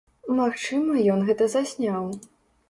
Магчыма ён гэта засняў.